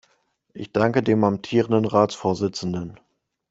Ich danke dem amtierenden Ratsvorsitzenden.